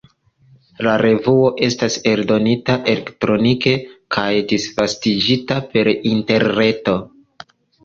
La revuo estas eldonita elektronike kaj disvastigita per interreto.